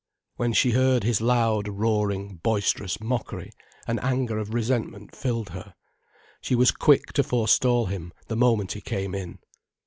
When she heard his loud, roaring, boisterous mockery, an anger of resentment filled her. She was quick to forestall him, the moment he came in.